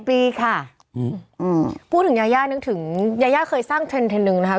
ปีค่ะอืมอืมพูดถึงยาย่านึกถึงยาย่าเคยสร้างเทรนด์เทรนด์หนึ่งนะคะ